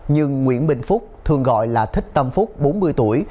nhưng nguyễn bình phúc thường gọi là thích tâm phúc bốn mươi tuổi